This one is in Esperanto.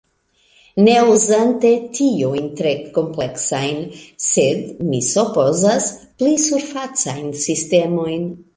ne uzante tiujn tre kompleksajn, sed, mi supozas, pli surfacajn sistemojn.